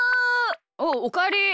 おうおかえり。